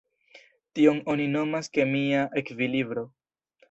Tion oni nomas kemia ekvilibro.